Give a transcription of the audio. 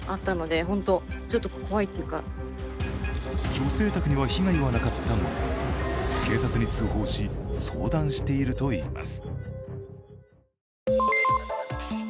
女性宅には被害はなかったものの、警察に通報し、相談しているといいます。